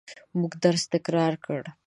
موږ درس تکرار کړ.